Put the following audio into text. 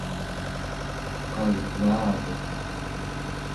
qagaavet